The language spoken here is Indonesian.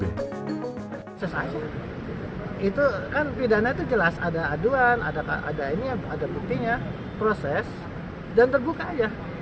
selesai itu kan pidana itu jelas ada aduan ada buktinya proses dan terbuka aja